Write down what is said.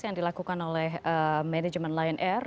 yang dilakukan oleh manajemen lion air